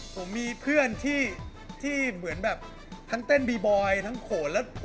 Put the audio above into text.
อยู่ที่ดารามหาสนุกทั้ง๓ท่านแล้วครับ